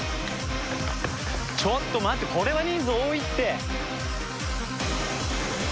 ちょっと待ってこれは人数多いって。